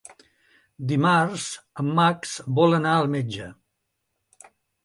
Dimarts en Max vol anar al metge.